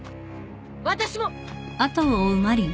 私も！